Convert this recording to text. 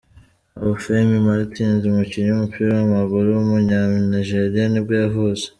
Obafemi Martins, umukinnyi w’umupira w’amaguru w’umunyanigeriya nibwo yavutse.